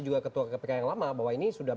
juga ketua kpk yang lama bahwa ini sudah